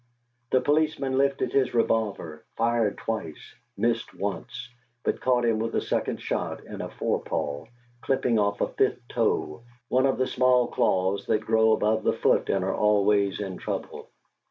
The policeman lifted his revolver, fired twice, missed once, but caught him with the second shot in a forepaw, clipping off a fifth toe, one of the small claws that grow above the foot and are always in trouble.